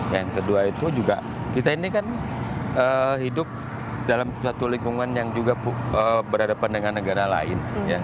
yang kedua itu juga kita ini kan hidup dalam suatu lingkungan yang juga berhadapan dengan negara lain